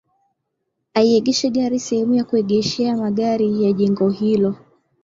Aiegesha gari sehemu ya kuegeshea magari ya jengo hilo